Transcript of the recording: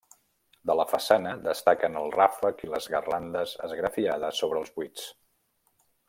De la façana destaquen el ràfec i les garlandes esgrafiades sobre els buits.